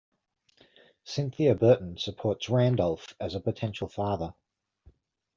Cynthia Burton supports Randolph as a potential father.